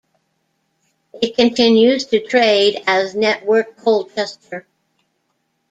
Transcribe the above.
It continues to trade as Network Colchester.